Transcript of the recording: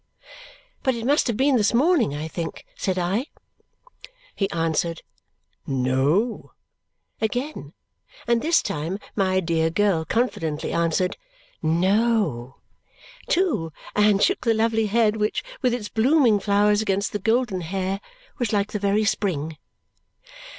"But it must have been this morning, I think," said I. He answered "No" again, and this time my dear girl confidently answered "No" too and shook the lovely head which, with its blooming flowers against the golden hair, was like the very spring.